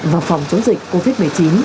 và phòng chống dịch covid một mươi chín